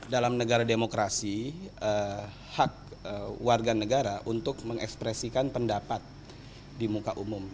dalam negara demokrasi hak warga negara untuk mengekspresikan pendapat di muka umum